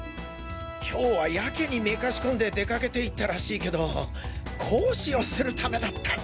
今日はやけにめかしこんで出かけていったらしいけど講師をするためだったんだ。